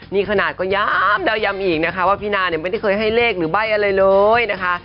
นี่ขนาดก็ยาบแล้วย้ำอีกนะคะว่าพี่นาเนี่ยไม่ได้เคยให้เลขหรือใบ้อะไรเลยนะคะ